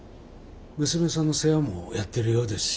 娘さんの世話もやってるようですし。